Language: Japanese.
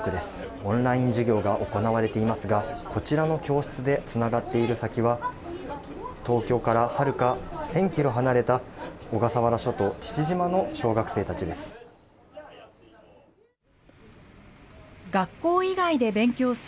オンライン授業が行われていますが、こちらの教室でつながっている先は、東京からはるか１０００キロ離れた小笠原諸島・父島の小学生たちです。